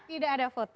tidak ada foto